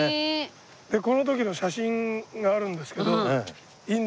この時の写真があるんですけどいいんですよ。